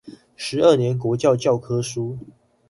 十二年國教教科書